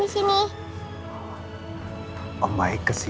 bosen ya om maik